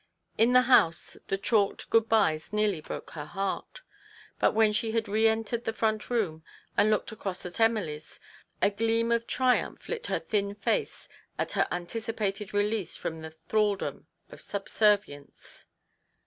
In the house the chalked Good byes nearly broke her heart. But when she had re entered the front room, and looked across at Emily's, a gleam of triumph lit her thin face at her anticipated release from the thraldom of subservience.